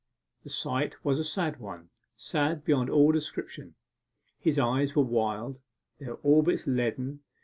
The sight was a sad one sad beyond all description. His eyes were wild, their orbits leaden.